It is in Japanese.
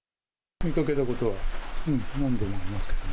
見かけたことは、何度もありますけどね。